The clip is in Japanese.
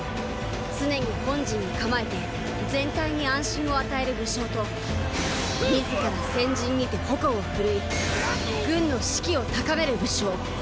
常に本陣に構えて全体に安心を与える武将と自ら先陣にて矛をふるい軍の士気を高める武将。